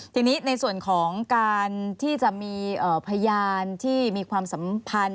ทีนี้ในส่วนของการที่จะมีพยานที่มีความสัมพันธ์